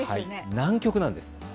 南極なんです。